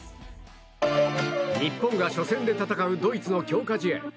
日本が初戦で戦うドイツの強化試合。